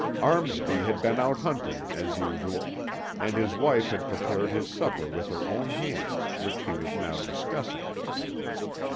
Armsby had been out hunting, as usual, and his wife had prepared his supper with her own hands, which he was now discussing.